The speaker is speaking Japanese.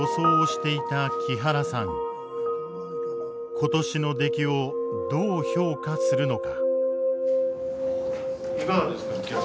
今年の出来をどう評価するのか。